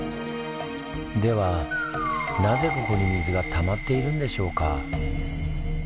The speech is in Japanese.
ではなぜここに水が溜まっているんでしょうか？